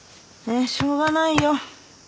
ねっしょうがないよ。